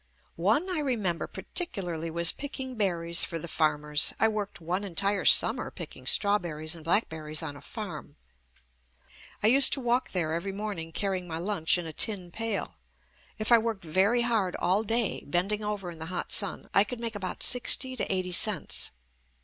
One I remember particularly was pick ing berries for the farmers. I worked one en tire summer picking strawberries and black berries on a farm. I used to walk there every morning carrying my lunch in a tin pail. If I worked very hard all day, bending over in the hot sun, I could make about sixty to eighty cents.